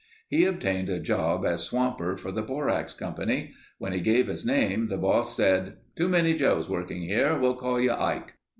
He obtained a job as swamper for the Borax Company. When he gave his name the boss said, "Too many Joe's working here. We'll call you Ike."